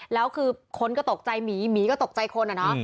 แล้วคือคนก็ตกใจหมีหมีก็ตกใจคนอะเนาะ